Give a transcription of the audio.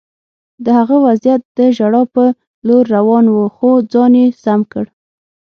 د هغه وضعیت د ژړا په لور روان و خو ځان یې سم کړ